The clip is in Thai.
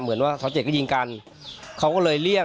เหมือนว่าเท้าเจ็ดก็ยิงกันเขาก็เลยเรียก